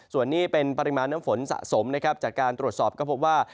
ส่วนนี้เป็นปริมาณน้ำฝนสะสมนะครับจากการตรวจสอบก็พบว่า